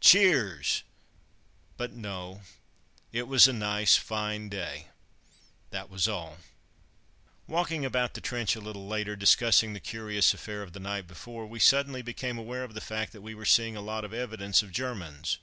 Cheers! But no, it was a nice, fine day, that was all. Walking about the trench a little later, discussing the curious affair of the night before, we suddenly became aware of the fact that we were seeing a lot of evidences of Germans.